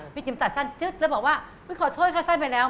จิมตัดสั้นจึ๊ดแล้วบอกว่าขอโทษค่ะสั้นไปแล้ว